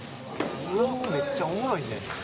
相撲、めっちゃおもろいね。